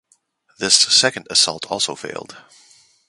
This second assault also failed.